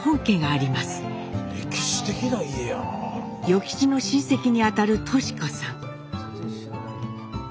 与吉の親戚にあたる敏子さん。